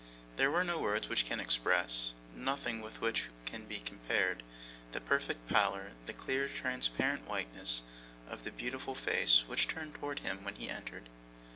There are no words which can express, nothing with which can be compared, the perfect pallor, the clear transparent whiteness, of the beautiful face which turned towards him when he entered.